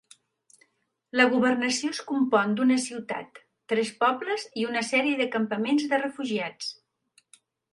La governació es compon d'una ciutat, tres pobles i una sèrie de campaments de refugiats.